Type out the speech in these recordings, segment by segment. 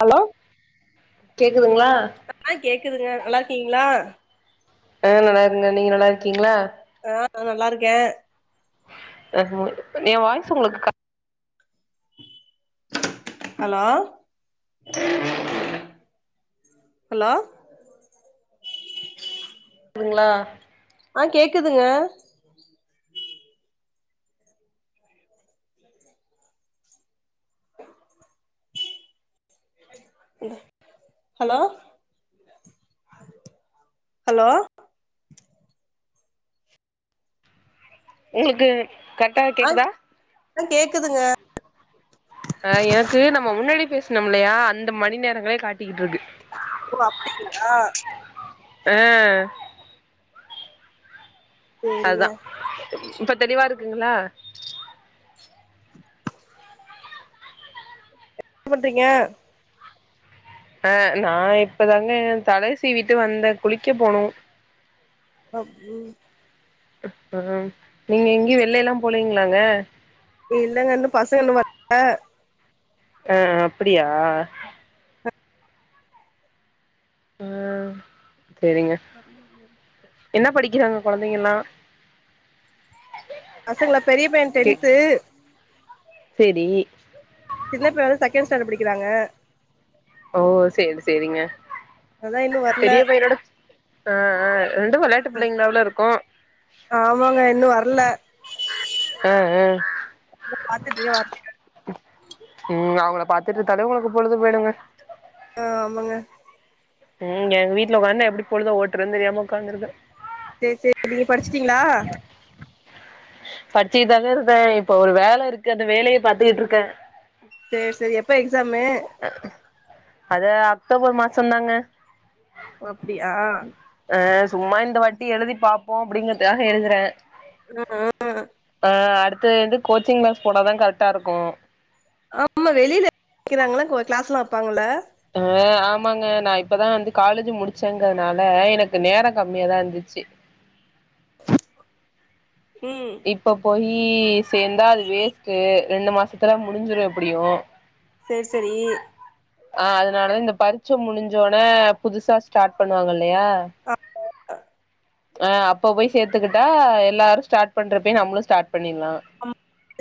hello கேக்குதுங்ளா ஆ கேக்குதுங்க நல்லா இருக்கீங்ளா ஆ நல்லா இருங்கங்க நீங்க நல்லா இருக்கீங்ளா ஆ நா நல்லாருக்கே [unintelligible] ஏ வாய்சு உங்களுக்கு கர் ஹலோ ஹலோ [unintelligible] இருக்குதுங்ளா ஆ கேக்குதுங்க ஹலோ ஹலோ எங்க்ளுக்கு கரெட்டா ஆ கேக்குதா ஆ கேக்குதுங்க அ எனக்கு நம்ம முன்னடி பேஸ்னம் இல்லயா அந்த மணி நேரங்களே காட்டிக்கிட்ருக்கு ஓ அப்புடிங்ளா அ சேரிங்க அதுதா இப்ப தெளிவா இருக்குங்ளா பண்றீங்க அ நா இப்பதாங்க தலைசீட்டு வந்த குளிக்க போனு ஒ ம் நீங்க எங்யு வெள்ள எல்லா போலீங்ளாங்க இல்லங்க இன்னு பசங்க இன்னு [inaudible] அ அப்புடியா அ செரிங்க [inaudible] என்னா படிக்கிறாங்க கொழந்தைங்க எல்லா பசங்ளா பெரிய பைய டென்த்து சேடி சின்ன பைய வந்து செக்கேண் ஸ்டண்ட் படிக்கிறாங்க ஓ சேர் சேரிங்க அதா இன்னு வர்ல பெரிய பையனோட ஆ ஆ ரெண்டு விளையாட்டு பிள்ளைங்களாவுல இருக்கு ஆமாங்க இன்னு வர்ல ஆ ஆ பாத்துட்டு வர்லிங்க ம் அவங்ள பாத்துட்ருத்தாலே உங்களுக்கு பொழுது போயுடுங்க அ ஆமாங்க ம் எங் வீட்ல உக்காண் எப்டி பொழுத ஓட்டுறதுன் தெரியாம உக்காந்துருக்க சேர் சேர் நீங்க படிச்சிட்டீங்ளா பச்சிகிட்தாங்க இருந்த இப்ப ஒரு வேல இருக்கு அந்த வேலய பாத்துக்குட்ருக்க சேர் செரி எப்ப எக்ஸாமு அது அக்டோபர் மாசந்தாங்க ஒ அப்டியா அ சும்மா இந்த வாட்டி எழுதி பாப்போ அப்டிங்கற்துக்காக எழுதுற ம் ம் அ அடுத்து இது கோச்சிங் க்ளாஸ் போனாதா கரக்டா இருக்கு ஆம வெளில க்கிறாங்ளா கோ க்ளேஸ்லா வெப்பாங்கள்ள அ ஆமாங்க நா இப்பதா வந்து காலேஜு முடிச்சங்கறனால எனக்கு நேர கம்மியாதா இர்ந்துச்சு ம் இப்ப போய் சேந்தா அது வேஸ்ட்டு ரெண்டு மாசத்துல முடிஞ்சிடு எப்புடியோ [inaudible] சேர் சரி அ அதனாலதா இந்த பரிச்ச முடிஞ்சோன புதுசா ஸ்டாட் பண்ணுவாங்க இல்லயா அ அப்ப போய் சேத்துக்கிட்டா எல்லாரு ஸ்டாட் பண்றப்பயே நம்மளு ஸ்டாட் பண்ணிட்லா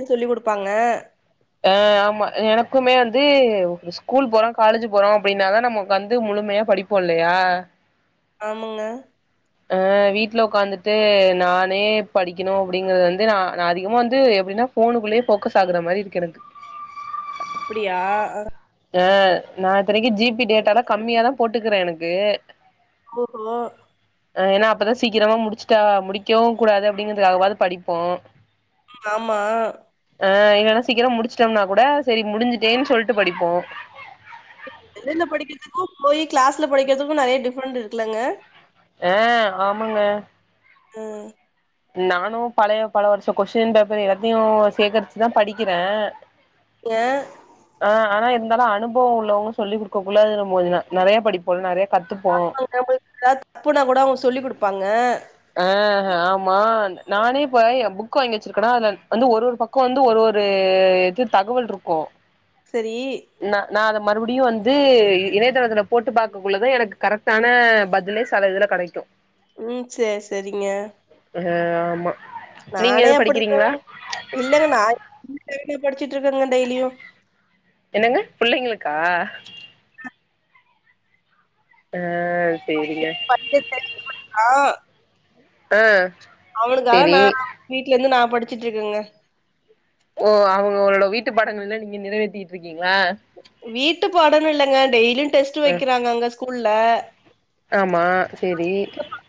சொல்லி் குடுப்பாங்க அ ஆமா எனக்குமே வந்து ஸ்கூல் போகிறோ காலேஜி போறோ அப்டின்னாதான நம்மக் வந்து முழுமயா படிப் போட்லயா ஆமங்க ஆ வீட்ல ஒக்காந்துட்டு நானே படிக்கணு அப்டிங்கிறது வந்து நா நா அதிகமா வந்து எப்டின்னா ஃபோனுக்குள்ளேயே ஃபோக்கஸ் ஆகுற மாரி இருக்கு எனக்கு அப்டியா ஆ நா இத்தனைக்கு ஜி பி டேட்டாலா கம்மியாதா போட்டுக்குறே எனக்கு ஓஹோ அ ஏன்னா அப்பதா சீக்கிரமா முடிச்சுட்டா முடிக்கவு கூடாது அப்டிங்கிறதுக்காவாது படிப்போ ம் ஆமா ஆ இல்லைன்னா சீக்கிரம் முடிச்சட்டோம்னா கூட சரி முடிஞ்சுட்டேன்னு சொல்லிட்டு படிப்போ இப்ப நேர்ல படிக்கிறதுக்கு போய் களாஸ்ல படிக்கிறதுக்கு நெறைய டிஃப்ரெண்ட் இருக்குல்லங்க ஆ ஆமாங்க ம் நானு பழைய பல வருஷ கொஸ்டின் பேப்பர் எல்லாத்தையு சேகரிச்சுதா படிக்கிறே ஏ ஆ ஆனா இருந்தாலு அனுபவ உள்ளவங்க சொல்லி் குடுக்கக்குல்ல நம்போதுனா நெறைய படி போ நெறைய கத்து ஆமாங்க உங்களுக்கு எதாவது தப்புனா கூட அவங்க சொல்லி் கொடுப்பாங்க அ ஹ ஆ மா நானே போய் புக் வாங்கி வச்சிருக்கேனா அதுல வந்து ஒரு ஒரு பக்க வந்து ஒரு ஒரு எது தகவல் இருக்கு செரி ந நா அத மறுபடியு வந்து இணையதளத்துல போட்டு பாக்குள்ளதா எனக்கு கரெக்டான பதிலே செல இதுல கெடைக்கு ம் சேர் சேரிங்க ஹ ஆமா நீங்க எது படிக்கிறீங்களா இல்ங்க நான்னா டெய்லியு படிச்சிட்டு இருக்கங்க டெய்லியு என்னங்க புள்ளைங்களுக்கா அ [unintelligible] ஆ அவனுக்காக சேரி நா வீட்ல இருந்து நா படிச்சிட்டு இருக்கேங்க ஓ அவங்க உங்களோட வீட்டு பாடங்கள் எல்லா நீங்க நிறைவேத்திட்டு இருக்கீங்களா வீட்டு பாடோன் இல்லங்க டெய்லியு டெஸ்ட் ம் வைக்கிறாங்க அங்க ஸ்கூல்ல ஆமா சேரி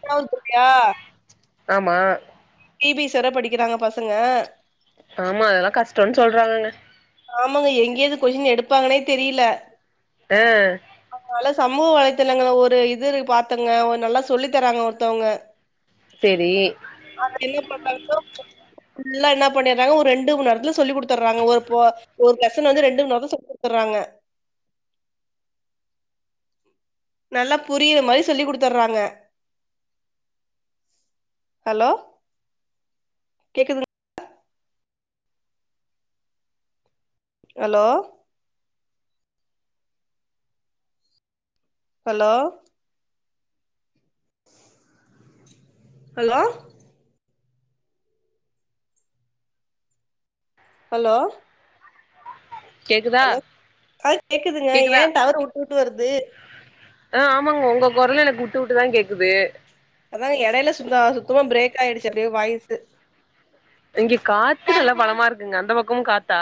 [unintelligible] ஆமா டி பி சேர படிக்கிறாங்க பசங்க ஆமா அதெல்லா கஷ்டம்ன்னு சொல்றாங்கங்க ஆமாங்க எங்கேர்ந்து கொஸ்டின் எடுப்பாங்கன்னே தெரில ஆ அவனால சமூக வலைதளங்கள ஒரு இது பாத்துங்க ஒரு நல்லா சொல்லி தராங்க ஒருத்தவங்க செரி [unintelligible] ஃபுல்லா என்ன பண்ணிறாங்க ஒரு ரெண்டு மண் நேரத்துல சொல்லி குடுத்துர்றாங்க ஒரு போ ஒரு லெசன் வந்து ரெண்டு மண் நேரத்துல சொல்லி கொடுத்துர்றாங்க நல்லா புரியிற மாரி சொல்லி் கொடுத்துர்றாங்க ஹலோ கேக்குது ஹலோ ஹலோ ஹலோ ஹலோ கேக்குதா ஹலோ ஆ கேக்குதுங்க ஏ கேக்குதா டவரு வுட்டு வுட்டு வருது அ ஆமாங்க ஒங்க கொரலுஎனக் வுட்டு வுட்டுதா கேக்குது அதாங்க எடைல சுத்த சுத்தமா பிரேக் ஆயிடுச்சு அப்டே வாய்சு இங்க காத்து நல்லா பலமா இருக்குங்க அந்த பக்கமு காத்தா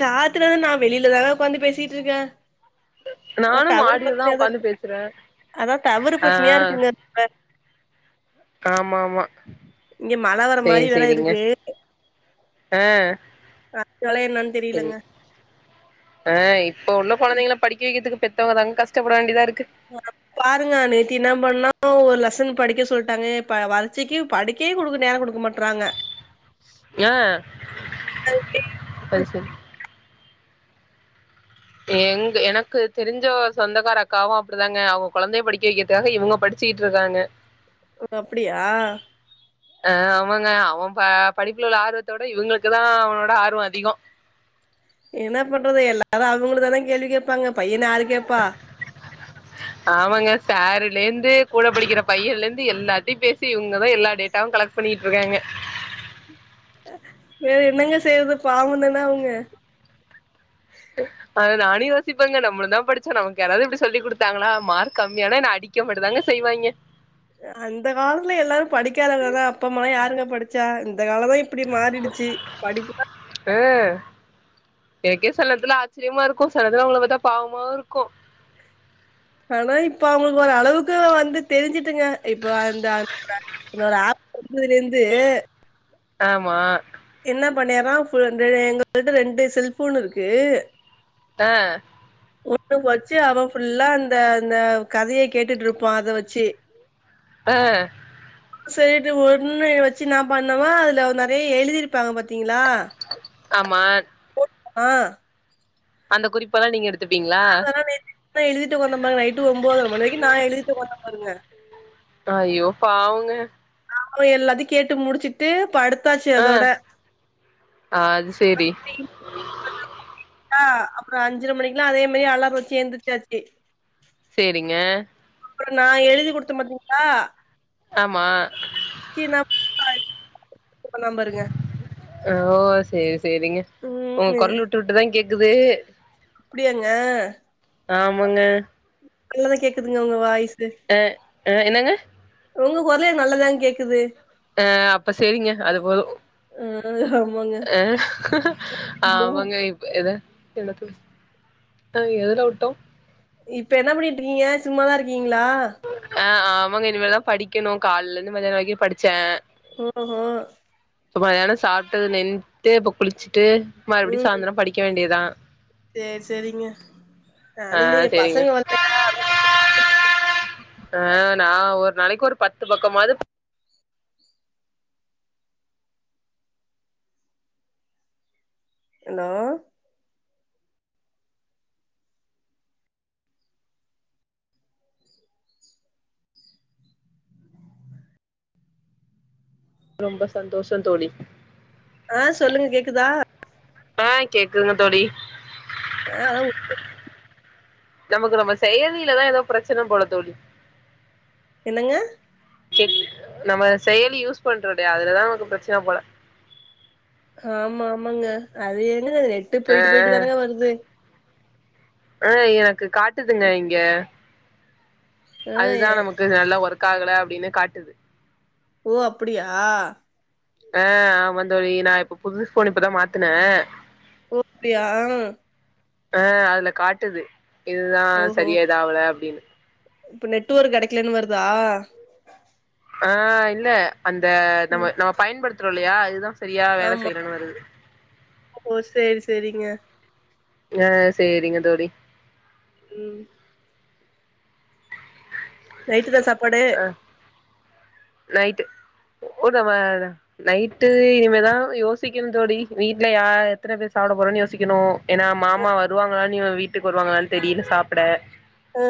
காத்துலதா நா வெளிலதாங்க ஒக்காந்து பேசிட்டு இருக்கே அதா நானு டவரு மாடிலதா பிரச்சனையாதா உக்காந்து இருக்கு பேசுறே அதா டவரு ஆ பிரச்சனையா இருக்குங்க ஆமா ஆமா இங்க மழ வர மாரி சேரி வேற சேரிங்க இருக்கு அ [unintelligible] தெரியலெங்க அ இப்ப உள்ள கொழந்தைங்கள படிக்க வெக்கிற்துக்கு பெத்தவங்க தாங்க கஷ்டப்பட வேண்டிதா இருக்கு பாருங்க நேத்தி என்ன பண்ணா ஒரு லெசன் படிக்க சொல்ட்டாங்க ப பறிச்செக்கி படி டீ குடுக்க நேரொ கொடுக்க மாட்றாங்க ஏ அது செரி எங்க எனக்கு தெரிஞ்ச சொந்தக்கார அக்காவு அப்டிதாங்க அவுங்க கொழந்தைய படிக்க வக்கிறதுக்காக இவுங்க படு ச்சிட்டு இருக்காங்க ஓ அப்புடியா அ ஆமாங்க அவ படிப்புல உள்ள ஆர்வத்தோட இவுங்களுக்கு தா அவனோட ஆர்வொ அதிகொ என்ன பண்றது எல்லாரு அவுங்களதானா கேள்வி கேப்பாங்க பையன யாரு கேட்பா ஆமாங்க சாருல இருந்து கூட படிக்கிற பையன்ல இருந்து எல்லார்ட்டயு பேசி இவுங்கதா எல்லா டேட் டாவு கலெக்ட் பண்ணிட்டு இருக்காங்க வேற என்னங்க செய்றது பாவந்தான அவுங்க அத நானு யோசிப்பங்க நம்மலு தா படுச்சொ நமக்கு யாராது இப்டி சொல்லி குடுத்தாங்களா மார்க் கம்மியானா என்ன அடி க்க மட்டுந்தாங்க செய்வாங்கெ அந்த காலத்துல எல்லாரு படிக்காதவங்கதா அப்ப அம்மாலா யாருங்க படுச்சா இந்த காலதா இப் இப்டி மாறிடுச்சு படிப்பு தா அ எனக்கே செல நேத்துல ஆச்சுரியமா இருக்கு சில நேரொ அவுங்கள பாத்தா பாவமா இருக்கு ஆனா இப்ப அவங்களுக்கு ஒரு அளவுக்கு வந்து தெருஞ்சுட்டுங்க இப்ப அந்த [inaudible] ஆப் வந்ததுல இர்ந்து ஆமா என்ன பண்ணியரா [unintelligible] எங்கள்ட்ட ரெண்டு செல்ஃபோன் இருக்கு அ ஒன்னு வச்சு அவ ஃபுல்லா அந்த அந்த கதைய கேட்டுட்டு இருப்பா அத வச்சு அ செரின்ட்டு ஒன்னு வச்சு நா பண்ணவா அதுல நெறைய எழுதிருப்பாங்க பத்திங்களா ஆமா [inaudible] அந்த குறிப்பெலா நீங்க எடுத்துப்பீங்ளா அதெல்லா நேத்து நா எழுதிட்டு ஒக்காந்த பாருங்க நைட்டு ஒம்போதர மணி வர்க்கு நா எழுதிட்டு ஒக்காந்த பாருங்க ஐயோ பாவங்க நா போயி எல்லாத்தையு கேட்டு முடிச்சுட் டு படுத்தாச்சு ஆ அதோட அது சேரி [unintelligible] அப்புறோ அஞ்சர மணிக்குலா அதே மாரி அலாரோ வெச்சு எந்திரச்சாச்சு செரீங்க அப்புறோ நா எழுதி குடுத்த பாத்தீங்கலா ஆமா [unintelligible] பண்ணுவா பாருங்க ஓ செரி செரிங்க உங்க ம் கொரலு விட்டு விட்டுதா கேக்குது அப்புடியாங்க ஆமாங்க நல்லாதா கேக்குதுங்க உங்க வாய்சு அ அ என்னங்க உங்க கொரலே நல்லா தா கேக்குது ஆ அப்ப செரிங்க அது போதோ ம் ஆமாங்க ஆ இப்போ ஆமாங்க இப்ப ஏது எனக்கு அ எதுல விட்டோ இப்ப என்ன பண்ணிட்ருக்கீங்க சும்மாதா இருக்கீங்களா அ ஆமாங்க இனிமேலதா படிக்கணோ கால்ல இர்ந்து மதியானோ வரிக்கோ படிச்சே [unintelligible] மதியானோ சாப்டது நின்டு இப்போ குளிச்சுட்டு மறுபடியு ம் சாய்ந்தரோ படிக்க வேண்டியதா சேரி சேரிங்க அ நானு இன்னு எ செரிங்க [unintelligible] ஆ நா ஒரு நாளைக்கி ஒரு பத்து பக்கமாது ஹலோ ரொம்போ சந்தோஷோ தோழி ஆ சொல்லுங்க கேக்குதா ஆ கேக்குதுங்க தோழி அ உ நமக்கு நம்ம செயலிலதா எதோ பிரச்சன போல தோழி என்னங்க க் நம்ம செயலி யூஸ் பண்றோலயா அதுலதா நமக்கு பிரச்சன போல ஆமா ஆமாங்க அது என்னது நெட்டு போயிட்டு போயிட்டு ஆ தானங்க வருது ஆ எனக்கு காட்டுதுங்க இங்க ஆ அதுதா எ நமக்கு நல்லா ஒர்க் ஆகல அப்டின்னு காட்டுது ஓ அப்புடியா அ ஆமா தோழி நா இப்ப புது ஃபோனு இப்பதா மாத்துனே ஓப்பிடியா அ அதுல காட்டுது இதுதா ஓஹோ செரியா இதுஆவல அப்டீன்னு இப்ப நெட் ஒர்க்கு கெடைக்கலன்னு வருதா ஆ இல்ல அந்த நம்ம ம் நம்ம பயன்படுத்துறோல்லையா இதுதா செரியா வேல ஆமா செய்யலன்னு வருது ஓ செர் செரிங்க ஆ சேரிங்க தோழி ம் நைட்டு என்ன சாப்பாடு ஆ நைட்டு ஒ [unintelligible] நைட்டு இனிமேதா யோசிக்கணு தோழி வீட்ல யா எத்தன பேர் சாப்ட போறோன் யோசிக்கணு ஏனா மாமா வருவாங்களானு இவ வீட்டுக்கு வருவாங்களான் தெரில சாப்ட அ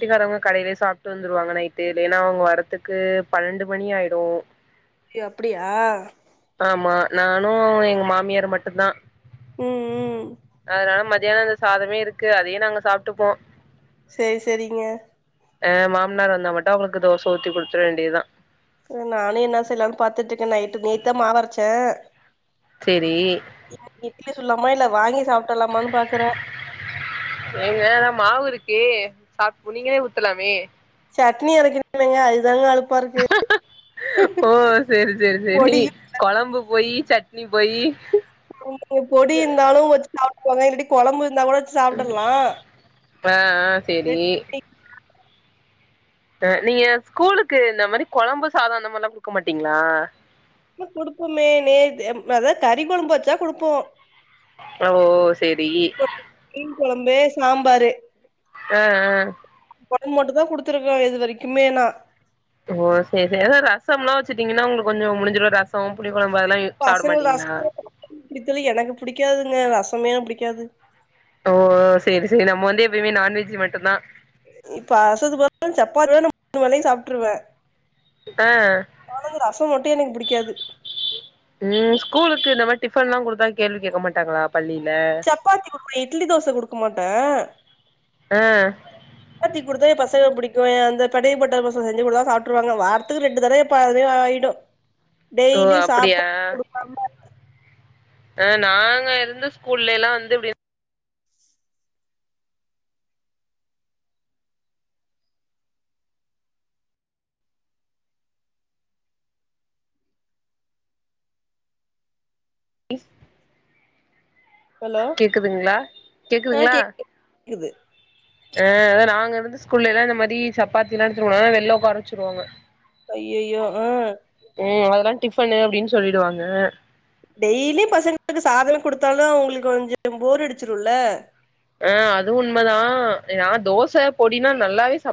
ட்டுக்காரவங்க கடைலயே சாப்ட்டு வந்துருவாங்க நைட்டு இல்லைனா அவுங்க வரத்துக்கு பன்னெண்டு மணி ஆயிடு ஐயோ அப்டியா ஆமா நானு எங்க மாமியார் மட்டுந்தா ம் ம் அதனால மதியானோ வச்ச சாதமே இருக்கு அதையே நாங்க சாப்ட்டுப்போ செரி செரிங்க ஆ மாமனார் வந்தா மட்டு அவுங்களுக்கு தோச ஊத்தி குடுத்தற வேண்டியதா க்றே நானு என்னா செய்லான் பாத்துட்டுக்கே நைட்டு நேத் தா மாவரச்சே செரி இ இட்லி சுட்லாமா இல்ல வாங்கி சாப்ட்டலாமான் பாக்குறே ஏங்க அதா மாவு இருக்கு சாப் நீங்களே ஊத்தலாமே சட்னி அரைக்கணுலங்க அதுதாங்க அழுப்பாரு ஓ செரி செரி செரி பொடியு கொழம்பு போயி் சட்னி போயி [inaudible] பொடி இருந்தாலு வச்சு சாப்ட்டுக்வாங்க இல்லாட்டி கொழம்பு இருந்தா கூட சாப்ட்டர்லா ஆ ஆ [inaudible] சேரி நீங்க ஸ்கூலுக்கு இந்த மாரி கொழம்பு சாதோ அந்த மாரிலா குடுக்க மாட்டீங்ளா ல்ல குடுப்பமே நே அதாவது கறி கொழம்பு வச்சா குடுப்போ அ ஓ செரி மீன் கொழம்பு சாம்பாரு ஆ ஆ கொழம்பு மட்டு தா குடுத்துருக்கே இது வரைக்குமே நா ஓ சேர் சே எது ரசம்லா வச்சுட்டீங்கன்னா ஒங்களுக்கு கொஞ்ச முடிஞ்சுரு ரசோ புளி கொழம்பு அதெல்லா சாப்ட பசங்க மாட்டீங்களா ரசமே [inaudible] எனக்கு பிடிக்காதுங்க ரசமே எனக்கு பிடிக்காது ஓ செரி செரி நம்ம வந்து எப்பயுமே நான்வெஜ்ஜூ மட்டுந்தா இப்ப அசது [inaudible] மூணு வேலையு சாப்ட்டுருவே ஆ ஆனா இந்த ரசோ மட்டு எனக்கு பிடிக்காது ம் ஸ்கூலுக்கு இந்த மாரி டிஃபன் லா குடுத்தா கேள்வி கேட்க மாட்டாங்ளா பள்ளில சப்பாத்தி குடுப்பே இட்லி தோச குடுக்க மாட்டே ஆ ப்பாத்தி குடுத்தா எ பசங்களுக் பிடிக்கு அந்த பனீர் பட்டர் மசால் செஞ்சு குடுத்தா சாப்ட்ருவாங்க வாரத்துக்கு ரெண்டு தடவைப்ப அதுவே ஆயிடு ஓ டெய்லியு அப்படியா சாப்பாடு குடுக்காம ஆ நாங்க இருந்து ஸ்கூல்லலா வந்து இப்டி ஸ் ஹலோ ஆ [inaudible] கேக்குதுங்களா கேக்குது ஆ அதா நாங்க இருந்த ஸ்கூல்லலா இந்த மாரி சப்பாத்திலா எடுத்துட் போனா வெள்ள ஒக்கார வச்சுருவாங்க அய்யய்யோ ஆ ம் அதெல்லலா டிஃபனு அப்டின் சொல்லிடுவாங்க டெய்லியு பசங்களுக்கு சாதமே குடுத்தாலு அவுங்களுக்கு கொஞ்சோ போர் அடிச்சிருல்ல ஆ அது உண்மதா நா தோச பொடினா நல்லாவே சாப்